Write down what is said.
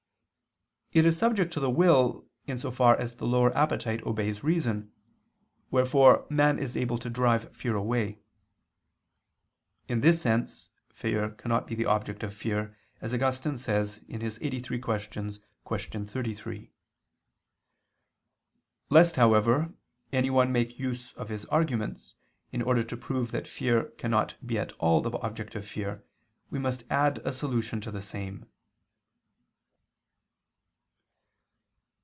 It is subject to the will, in so far as the lower appetite obeys reason; wherefore man is able to drive fear away. In this sense fear cannot be the object of fear, as Augustine says (QQ. 83, qu. 33). Lest, however, anyone make use of his arguments, in order to prove that fear cannot be at all be the object of fear, we must add a solution to the same.